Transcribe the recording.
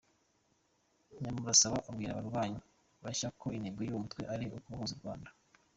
Nyamusaraba abwira abarwanyi bashya ko intego y’uwo mutwe ari ukubohoza u Rwanda.